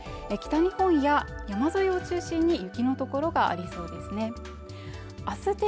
北日本や山沿いを中心に雪の所がありそうです